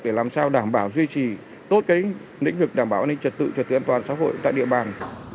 để làm sao đảm bảo duy trì tốt cái lĩnh vực đảm bảo an ninh trật tự trật tự an toàn xã hội tại địa bàn